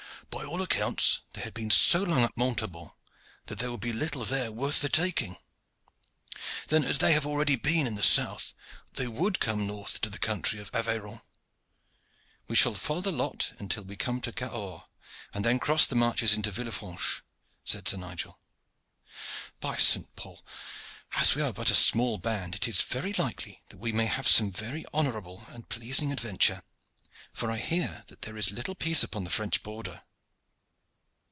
"By all accounts they had been so long at Montaubon, that there would be little there worth the taking. Then as they have already been in the south, they would come north to the country of the Aveyron." "We shall follow the Lot until we come to Cahors, and then cross the marches into Villefranche," said Sir Nigel. "By St. Paul! as we are but a small band, it is very likely that we may have some very honorable and pleasing adventure, for I hear that there is little peace upon the French border."